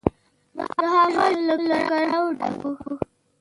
د هغه ژوند له کړاوونو ډک و.